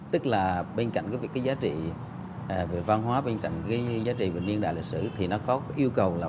tức là bên cạnh cái giá trị về văn hóa bên cạnh cái giá trị về niên đại lịch sử thì nó có yêu cầu là